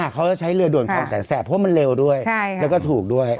อ่าเขาก็ใช้เรือด่วนคลองแสนแสบเพราะว่ามันเร็วด้วยใช่ครับแล้วก็ถูกด้วย